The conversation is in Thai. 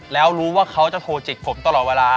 แล้วรู้ว่าเขาจะโทรจิกผมตลอดเวลา